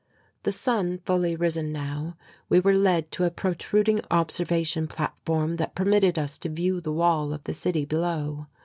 The sun fully risen now, we were led to a protruding observation platform that permitted us to view the wall of the city below.